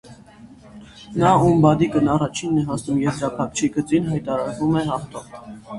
Նա, ում բադիկն առաջինն է հասնում եզրափակիչ գծին, հայտարարվում է հաղթող։